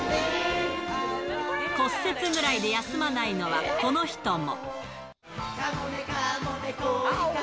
骨折ぐらいで休まないのは、この人も。